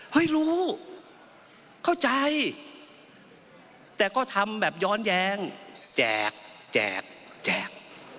ให้รู้เข้าใจแต่ก็ทำแบบย้อนแย้งแจกแจกแจก